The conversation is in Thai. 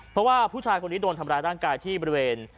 เพราะว่าผู้ชายคนนี้โดนทำร้ายร่างกายที่บริเวณ